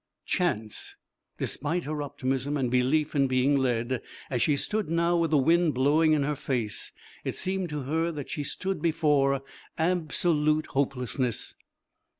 Chance! Despite her optimism and belief in being led, as she stood now with the wind blowing in her face it seemed to her that she stood before absolute hopelessness.